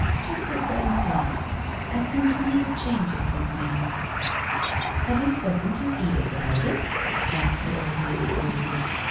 Just a sudden thought! I seemed to need a change of some kind.' 'Have you spoken to Edith about it?' asked the old lady gravely.